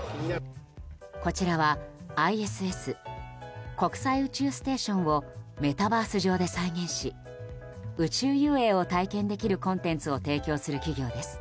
こちらはＩＳＳ・国際宇宙ステーションをメタバース上で再現し宇宙遊泳を体験できるコンテンツを提供する企業です。